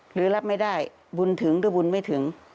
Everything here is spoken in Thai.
หรือรับไม่ได้บุญถึงหรือบุญไม่ถึง